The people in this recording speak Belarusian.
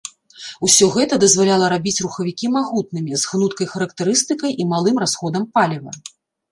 Усё гэта дазваляла рабіць рухавікі магутнымі, з гнуткай характарыстыкай і малым расходам паліва.